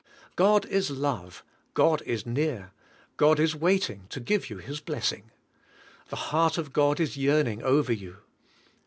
God is love. God is near. God is waiting to give you His blessing. The heart of God is yearning over you.